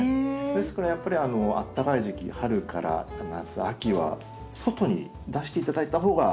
ですからやっぱりあったかい時期春から夏秋は外に出して頂いた方が。